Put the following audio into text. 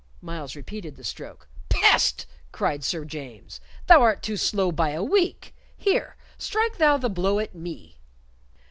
Myles repeated the stroke. "Pest!" cried Sir James. "Thou art too slow by a week. Here, strike thou the blow at me."